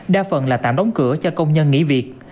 đa phần là tạm đóng cửa cho công nhân nghỉ việc